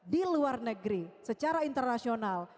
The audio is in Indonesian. di luar negeri secara internasional